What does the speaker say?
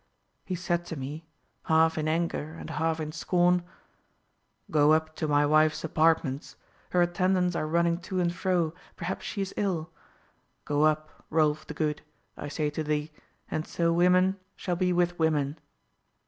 He said to me, half in anger and half in scorn: 'Go up to my wife's apartments; her attendants are running to and fro, perhaps she is ill. Go up, Rolf the Good, I say to thee, and so women shall be with women.